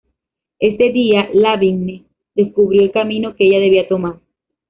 Ese día, Lavigne descubrió el camino que ella debía tomar.